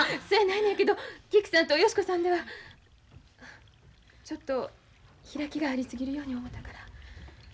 そやないのやけどキクさんとヨシ子さんではちょっと開きがあり過ぎるように思うたから。